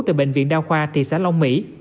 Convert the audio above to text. từ bệnh viện đao khoa thị xã long mỹ